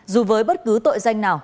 dù với bất cứ tội danh nào